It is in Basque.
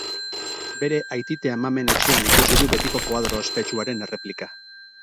Bere aitite-amamen etxean ikusi du beti koadro ospetsuaren erreplika.